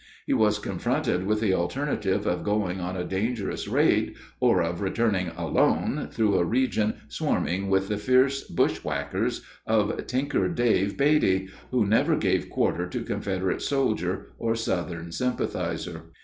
He was confronted with the alternative of going on a dangerous raid or of returning alone through a region swarming with the fierce bushwhackers of "Tinker Dave" Beattie, who never gave quarter to Confederate soldier or Southern sympathizer.